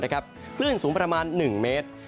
คลื่นสูงประมาณ๑เมตร